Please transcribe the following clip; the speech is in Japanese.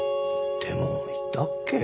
でもいたっけ？